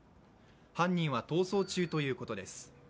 犯人は逃走中ということです。